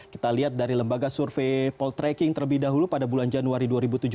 kita lihat dari lembaga survei poltreking terlebih dahulu pada bulan januari dua ribu tujuh belas